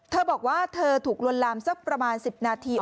เธอบอกว่าเธอถูกลวนลามสักประมาณ๑๐นาที